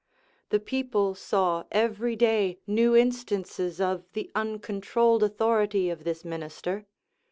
The people saw every day new instances of the uncontrolled authority of this minister.